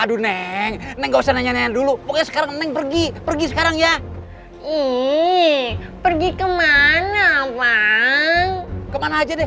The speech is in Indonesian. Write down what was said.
aduh neng nggak usah nanya dulu oke sekarang pergi pergi sekarang ya ii pergi ke mana abang kemana aja